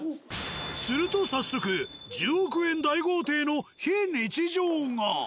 すると早速１０億円大豪邸の非日常が。